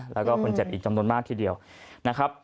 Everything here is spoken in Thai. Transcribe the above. แล้วก็คนเจ็บอีกจำนวนมากทีเดียวนะครับ